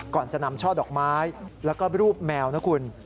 ก่อนจะนำช่อดอกไม้แล้วก็รูปแมวนะคุณ